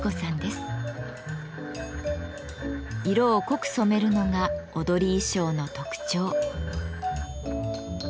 色を濃く染めるのが踊り衣装の特徴。